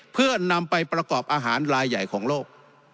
เพื่อนำไปประกอบอาหารลายใหญ่ของโลก